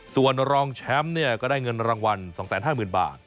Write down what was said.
ส่วนรองแชมป์ก็ได้เงินรางวัล๒๕๐๐๐บาท